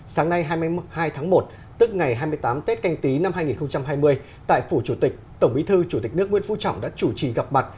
sáng nay hai mươi hai tháng một tức ngày hai mươi tám tết canh tí năm hai nghìn hai mươi tại phủ chủ tịch tổng bí thư chủ tịch nước nguyễn phú trọng đã chủ trì gặp mặt